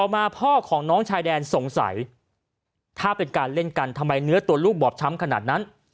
มาพ่อของน้องชายแดนสงสัยถ้าเป็นการเล่นกันทำไมเนื้อตัวลูกบอบช้ำขนาดนั้น